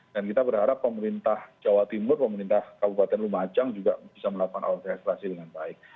dan kita berharap pemerintah jawa timur pemerintah kabupaten rumacang juga bisa melakukan orkestrasi dengan baik